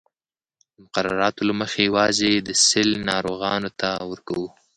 د مقرراتو له مخې یوازې د سِل ناروغانو ته ورکوو.